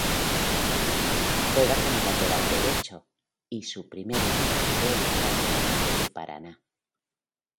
Juega como lateral derecho y su primer equipo fue Patronato de Paraná.